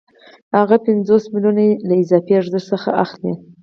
هغه پنځوس میلیونه له اضافي ارزښت څخه اخلي